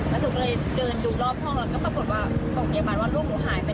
ก็ถึงตอนเดินดูรอบห้องก็ปรากฏว่าโรงพยาบาลร่วมของผมหายไปนะ